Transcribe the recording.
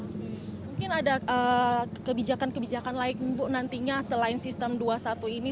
mungkin ada kebijakan kebijakan lain bu nantinya selain sistem dua puluh satu ini